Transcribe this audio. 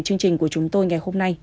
chương trình của chúng tôi ngày hôm nay